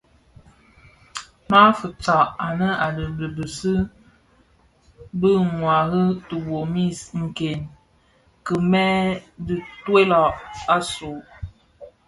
Ma fitsa anë a dhi bisi bi ňwari tibomis nken kimèn dhi toilag asu,